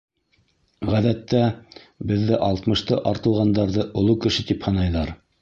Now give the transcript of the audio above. Ғәҙәттә, беҙҙә алтмышты артылғандарҙы оло кеше тип һанайҙар.